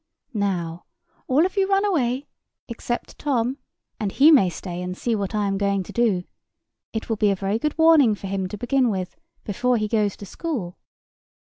Now, all of you run away, except Tom; and he may stay and see what I am going to do. It will be a very good warning for him to begin with, before he goes to school.